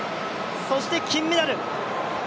そして金メダル。